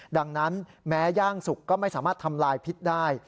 ดังนั้นแม้ย่างสุกก็ไม่สามารถทำลายพิษได้